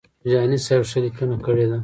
جهاني سیب ښه لیکنه کړې ده.